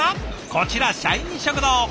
こちら社員食堂。